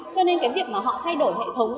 cho nên việc họ thay đổi hệ thống